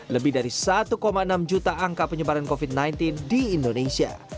lebih dari satu enam juta angka penyebaran covid sembilan belas di indonesia